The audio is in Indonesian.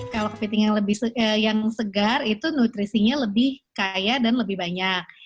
kalau kepiting yang segar itu nutrisinya lebih kaya dan lebih banyak